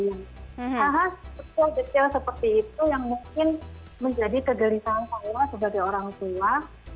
hal hal spesial spesial seperti itu yang mungkin menjadi kegelisahan kalau sebagai orang tua